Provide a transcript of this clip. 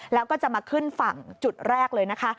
แล้วก็จะมาขึ้นฝั่งจุดแรกเลยนะคะ